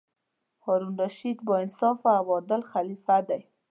هارون الرشید با انصافه او عادل خلیفه دی.